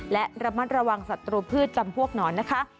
และระมัดระวังศัตรูพืชจำพวกหนอนนะคะ